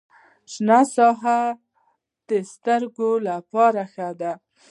شنه ساحه د سترګو لپاره ښه ده